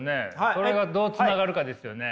それがどうつながるかですよね。